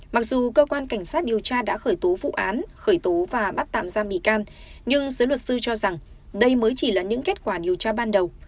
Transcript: mặc dù cơ quan cảnh sát điều tra đã khởi tố vụ án khởi tố và bắt tạm giam bị can nhưng giới luật sư cho rằng đây mới chỉ là những kết quả điều tra ban đầu